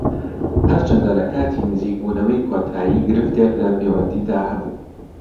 هەرچەندە لە کاتی نزیکبوونەوەی کۆتایی گرفتێک لە پەیوەندیدا هەبوو